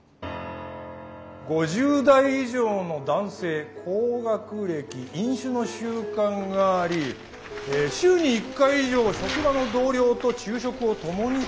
５０代以上の男性高学歴飲酒の習慣があり週に１回以上職場の同僚と昼食を共にとること。